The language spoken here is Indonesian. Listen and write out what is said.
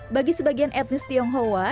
bagi sebagian etnis tionghoa